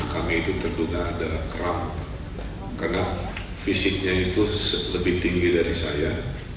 kami itu terduga ada keram karena fisiknya itu lebih tinggi dari saya